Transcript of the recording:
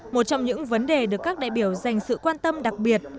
một trong những vấn đề được các đại biểu dành sự quan tâm đặc biệt